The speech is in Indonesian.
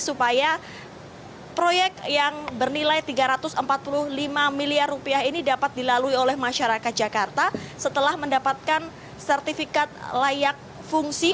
supaya proyek yang bernilai rp tiga ratus empat puluh lima miliar rupiah ini dapat dilalui oleh masyarakat jakarta setelah mendapatkan sertifikat layak fungsi